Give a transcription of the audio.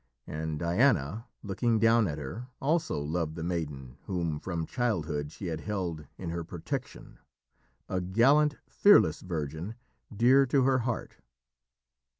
And Diana, looking down at her, also loved the maiden whom from childhood she had held in her protection a gallant, fearless virgin dear to her heart.